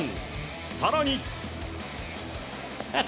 更に。